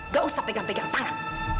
gak usah pegang pegang tangan